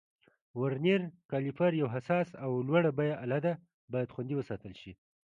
ورنیر کالیپر یو حساس او لوړه بیه آله ده، باید خوندي وساتل شي.